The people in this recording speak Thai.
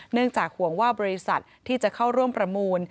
จากห่วงว่าบริษัทที่จะเข้าร่วมประมูล